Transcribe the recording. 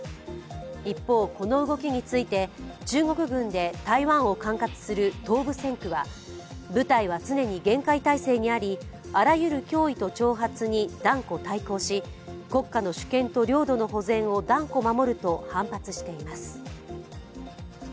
一方、この動きについて中国軍で台湾を管轄する東部戦区は部隊は常に厳戒態勢にありあらゆる脅威と挑発に断固対抗し国家の主権と領土の保全を断固守ると反発しています。